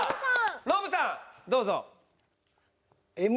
ノブさんどうぞ。